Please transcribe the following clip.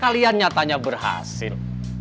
kalian nyatanya berhasil